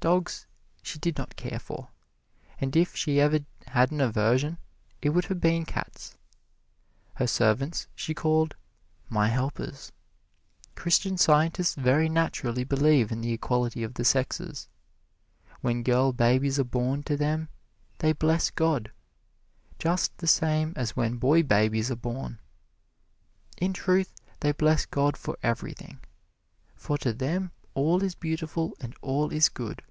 Dogs she did not care for, and if she ever had an aversion it would have been cats. Her servants she called "My helpers." Christian Scientists very naturally believe in the equality of the sexes. When girl babies are born to them they bless God, just the same as when boy babies are born. In truth they bless God for everything, for to them all is beautiful and all is good.